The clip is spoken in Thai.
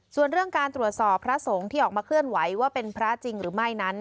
ส่วนเรื่องการตรวจสอบพระสงฆ์ที่ออกมาเคลื่อนไหวว่าเป็นพระจริงหรือไม่นั้น